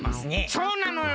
そうなのよ。